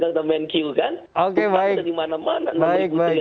nggak ada mnq kan